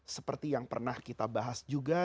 seperti yang pernah kita bahas juga